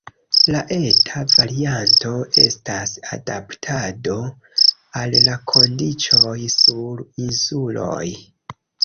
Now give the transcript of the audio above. La eta varianto estas adaptado al la kondiĉoj sur insuloj.